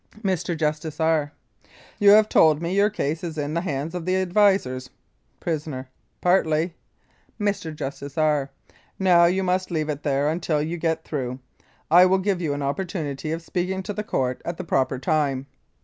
Mr. JUSTICE R. : You have told me your case is in the hands of advisers. PRISONER : Partly. Mr. JUSTICE R. : Now you must leave it there until you get through. I will give you an opportunity of speak ing to the Court at the proper time.